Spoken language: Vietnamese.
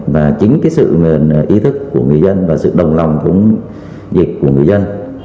và chính cái sự ý thức của người dân và sự đồng lòng chống dịch của người dân